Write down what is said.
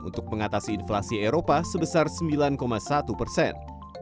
untuk mengatasi inflasi eropa sebesar sembilan satu persen